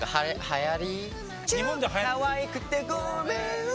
かわいくてごめん。